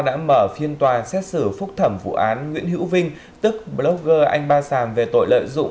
đã mở phiên tòa xét xử phúc thẩm vụ án nguyễn hữu vinh tức blogger anh ba sàng về tội lợi dụng